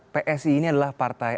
psi ini adalah partai